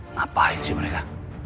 ngapain sih mereka